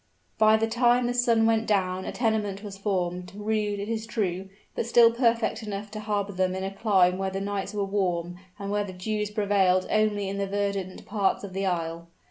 By the time the sun went down a tenement was formed, rude, it is true, but still perfect enough to harbor them in a clime where the nights were warm and where the dews prevailed only in the verdant parts of the isle.